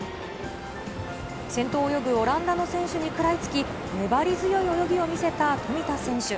先頭を泳ぐオランダの選手に食らいつき、粘り強い泳ぎを見せた富田選手。